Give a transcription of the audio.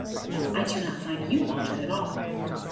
"I do not find you altered at all."